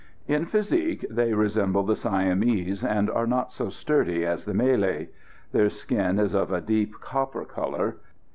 In physique they resemble the Siamese, and are not so sturdy as the Malay. Their skin is of a deep copper colour.